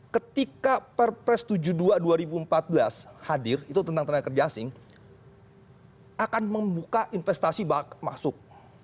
ketika perpres tujuh puluh dua dua ribu empat belas hadir itu tentang tenaga kerja asing akan membuka investasi masuk